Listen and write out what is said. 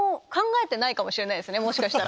もしかしたら。